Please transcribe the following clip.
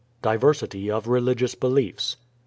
Diversity of religious beliefs.